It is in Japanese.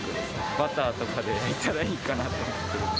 バターとかで焼いたらいいかなと思って。